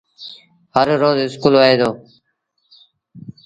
هر روز اسڪُول وهي دو